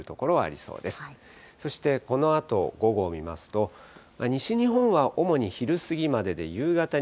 そしてこのあと午後を見ますと、西日本は主に昼過ぎまでで夕方に